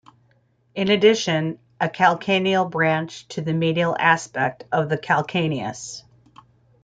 In addition a calcaneal branch to the medial aspect of the calcaneus.